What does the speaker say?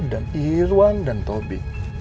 dan irwan dan tobi